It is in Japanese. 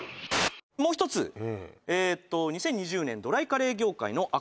もう一つえと「２０２０年ドライカレー業界の」